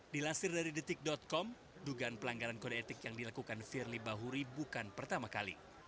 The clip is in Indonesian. dilansir dari detik com dugaan pelanggaran kode etik yang dilakukan firly bahuri bukan pertama kali